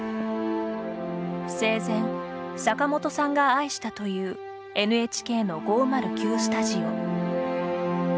生前、坂本さんが愛したというＮＨＫの５０９スタジオ。